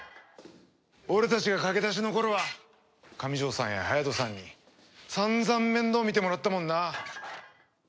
俺たちが駆け出しの頃は上條さんや隼人さんに散々面倒見てもらったもんな。